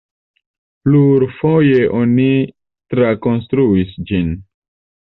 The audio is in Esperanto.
Plurfoje oni trakonstruis ĝin.